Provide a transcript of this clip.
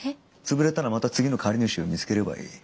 潰れたらまた次の借り主を見つければいい。